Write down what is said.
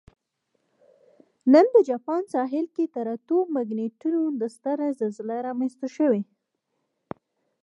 نن د جاپان ساحل کې تر اتو مګنیټیوډ ستره زلزله رامنځته شوې